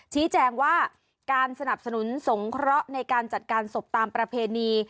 ชี้แจงว่าการสนับสนุนสงเคราะห์ในการจัดการศพตามประเพณี